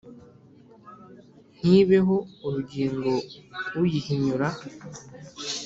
Ntibeho urugingo uyihinyura